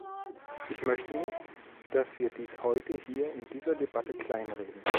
Ich möchte nicht, dass wir dies heute hier in dieser Debatte klein reden.